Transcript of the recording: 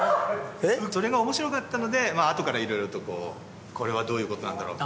それが面白かったのであとから色々とこうこれはどういう事なんだろう？